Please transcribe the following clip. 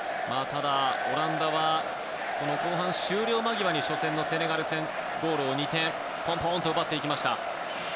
ただ、オランダは後半終了間際に初戦のセネガル戦ゴールを２点ポンポンと奪っていきました。